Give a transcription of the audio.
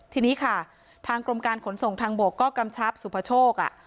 ทีนี้ค่ะทางกรมการขนส่งทางบกก็กำชับสุภโชค